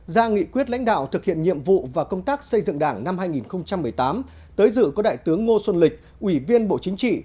ra nghị quyết lãnh đạo thực hiện nhiệm vụ và công tác xây dựng đảng năm hai nghìn một mươi tám tới dự có đại tướng ngô xuân lịch ủy viên bộ chính trị